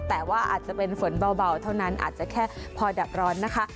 แต่ว่าอาจจะเป็นฝนเบาเท่านั้นอาจจะแค่พอดับร้อนนะคะ